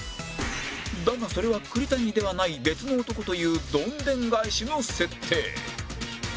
だがそれは栗谷ではない別の男というドンデン返しの設定